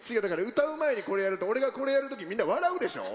歌う前に、これやると俺がこれやるときみんな笑うでしょ？